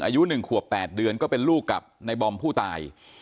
อายุ๑ขวบ๘เดือนก็เป็นลูกกับในบอมผู้ตาย